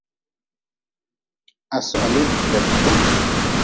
Ha sohli debte.